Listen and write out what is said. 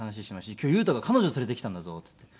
「今日裕太が彼女連れてきたんだぞ」って言って。